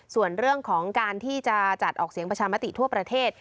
ส่วนเรื่องของการที่จะจัดออกเสียงประชามติทั่วประเทศ